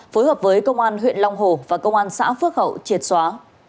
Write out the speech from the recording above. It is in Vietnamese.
phối hợp với công an huyện long hồ và công an xã phước hậu triệt xóa